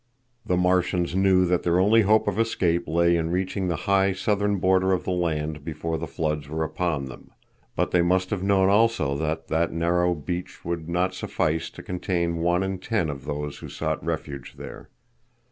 The Martians knew that their only hope of escape lay in reaching the high southern border of the land before the floods were upon them. But they must have known also that that narrow beach would not suffice to contain one in ten of those who sought refuge there.